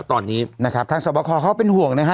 ตอนนี้นะครับทางสวบคอเขาเป็นห่วงนะฮะ